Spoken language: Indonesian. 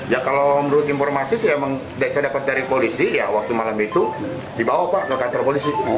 ya kalau menurut informasi yang saya dapat dari polisi ya waktu malam itu dibawa pak ke kantor polisi